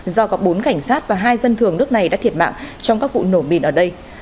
do có bốn cảnh sát và hai dân thường nước này đã thiệt mạng trong các vụ nổ mìn ở đây